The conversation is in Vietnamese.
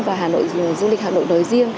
và du lịch hà nội nói riêng